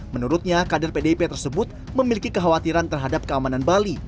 menurutnya kader pdip tersebut memiliki kekhawatiran terhadap keamanan bali